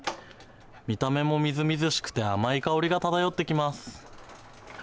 見た目もみずみずしくて甘い香りが漂ってきます。